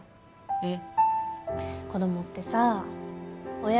えっ。